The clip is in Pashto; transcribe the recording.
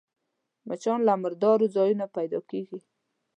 مچان له مردارو ځایونو پيدا کېږي